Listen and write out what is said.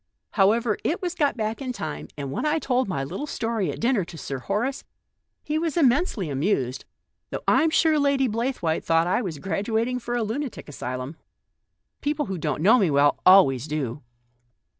However, it was got back in time, and when I told my little story at dinner to Sir Horace, he was immensely amused, though I'm sure Lady Blaythewaite thought I was graduating for a lunatic asylum. People who don't know me well always do."